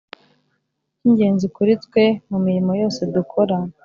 icy'ingenzi kuri twe - mu mirimo yose dukora,